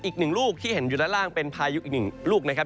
อีกหนึ่งลูกที่เห็นอยู่ด้านล่างเป็นพายุอีกหนึ่งลูกนะครับ